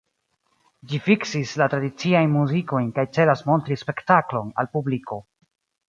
Ĝi fiksis la tradiciajn muzikojn kaj celas montri spektaklon al publiko.